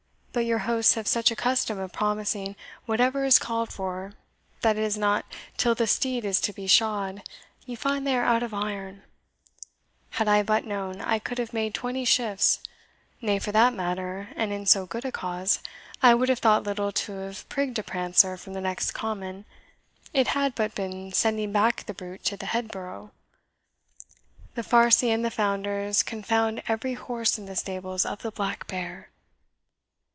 But your hosts have such a custom of promising whatever is called for that it is not till the steed is to be shod you find they are out of iron. Had I but known, I could have made twenty shifts; nay, for that matter, and in so good a cause, I would have thought little to have prigged a prancer from the next common it had but been sending back the brute to the headborough. The farcy and the founders confound every horse in the stables of the Black Bear!"